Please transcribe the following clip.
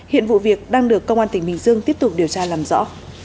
hiện vụ việc đang được công an tỉnh bình dương tiếp tục điều tra làm rõ